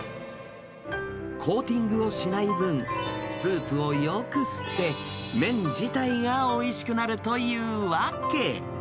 コーティングをしない分、スープをよく吸って、麺自体がおいしくなるというわけ。